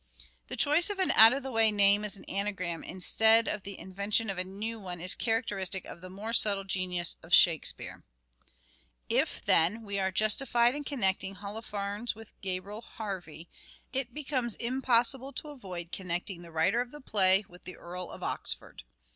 The choice of an out of the way name as an anagram instead of the invention of a new one is characteristic of the more subtle genius of Shakespeare. Harvey"1 ' ^en> we are justified in connecting Holofernes with Gabriel Harvey it becomes impossible to avoid connecting the writer of the play with the Earl of Oxford.